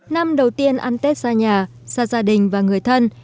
năm đầu tiên ăn tết ra nhà ra gia đình và người thân